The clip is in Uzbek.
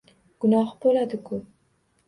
Gunoh bo‘ladi-ku!